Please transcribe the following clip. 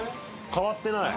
変わってない？